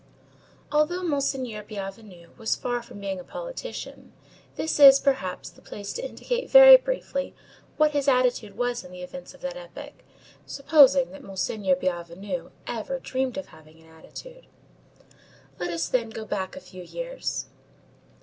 Although Monseigneur Bienvenu was far from being a politician, this is, perhaps, the place to indicate very briefly what his attitude was in the events of that epoch, supposing that Monseigneur Bienvenu ever dreamed of having an attitude. Let us, then, go back a few years.